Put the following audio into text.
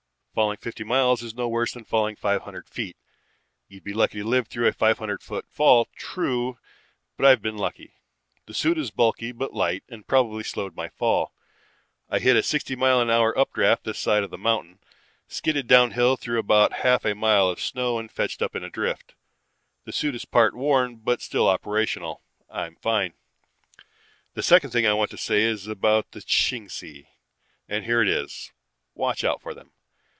Falling fifty miles is no worse than falling five hundred feet. You'd be lucky to live through a five hundred foot fall, true, but I've been lucky. The suit is bulky but light and probably slowed my fall. I hit a sixty mile an hour updraft this side of the mountain, skidded downhill through about half a mile of snow and fetched up in a drift. The suit is part worn but still operational. I'm fine. "The second thing I want to say is about the Chingsi, and here it is: watch out for them.